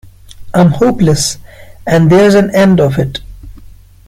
I'm hopeless, and there's an end of it.